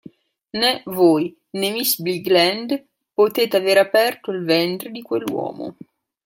Né voi né miss Bigland potete avere aperto il ventre di quell'uomo.